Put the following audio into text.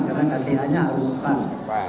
karena kategorinya harus pan